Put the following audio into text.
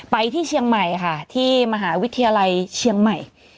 ที่เชียงใหม่ค่ะที่มหาวิทยาลัยเชียงใหม่